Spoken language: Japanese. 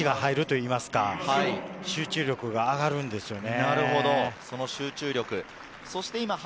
一つスイッチが入るといいますか、集中力が上がるんですよね。